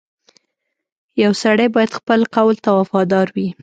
• یو سړی باید خپل قول ته وفادار وي.